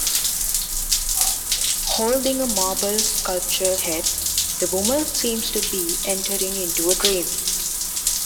Holding a marble sculpture head, the woman seems to be entering into a dream.